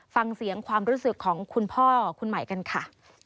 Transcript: ฟังเสียงความรู้สึกของคุณพ่อคุณใหม่กันค่ะ